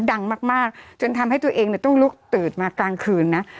ดังมากจนทำให้ตัวเองต้องลุกตื่นมากลางคืนนะ